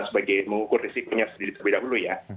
sebagai mengukur risikonya sendiri terlebih dahulu ya